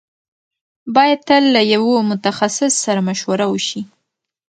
بايد تل له يوه متخصص سره مشوره وشي.